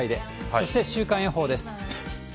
そして週間予報です。